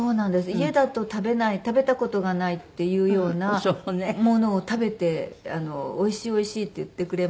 家だと食べない食べた事がないっていうようなものを食べて「おいしいおいしい」って言ってくれます。